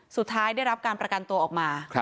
สุดท้ายได้รับการประกันตัวออกมา